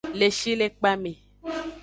Le shilekpa me.